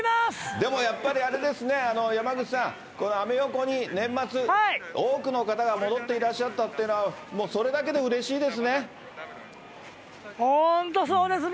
でもやっぱり、あれですね、山口さん、このアメ横に年末、多くの方が戻っていらっしゃったってのは、もうそれだけでうれし本当そうですね。